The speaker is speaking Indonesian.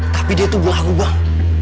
tapi dia tuh berlagu bang